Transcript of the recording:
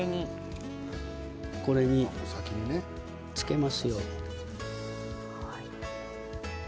これに、つけますよ。